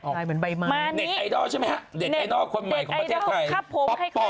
เหมือนใบไม้เน็ตไอดอลใช่ไหมฮะเน็ตไอดอลคนใหม่ของประเทศไทยครับผม